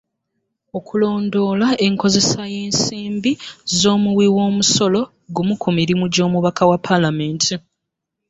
Okulondoola enkozesa y'ensimbi z'omuwi w'omusolo gumu ku mirimu gy'omubaka wa ppaalamenti.